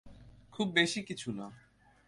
খুব বেশি কিছু না।